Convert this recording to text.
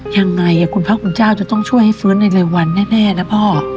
ยังไงคุณพระคุณเจ้าจะต้องช่วยให้ฟื้นในเร็ววันแน่นะพ่อ